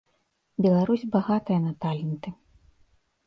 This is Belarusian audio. Беларусь багатая на таленты.